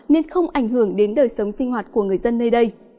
nên không ảnh hưởng đến đời sống sinh hoạt của người dân nơi đây